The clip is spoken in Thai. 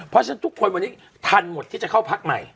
เพราะฉะนั้นทุกคนวันนี้ทันหมดที่จะเข้าพักใหม่